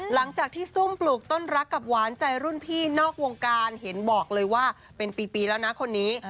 หลังจากที่ซุ่มปลูกต้นรักกับหวานใจรุ่นพี่นอกวงการเห็นบอกเลยว่าเป็นปีแล้วนะคนนี้